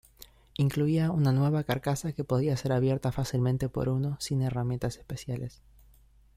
Incluía una nueva carcasa que podía ser abierta fácilmente por uno, sin herramientas especiales.